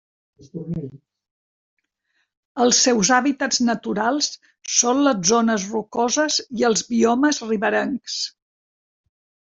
Els seus hàbitats naturals són les zones rocoses i els biomes riberencs.